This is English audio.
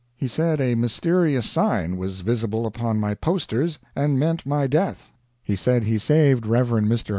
He said a mysterious sign was visible upon my posters and meant my death. He said he saved Rev. Mr.